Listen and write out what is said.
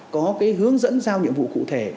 có cái hướng dẫn giao nhiệm vụ cụ thể